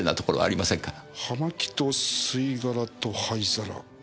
葉巻と吸い殻と灰皿。